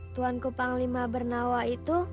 tuan kupanglima bernawa itu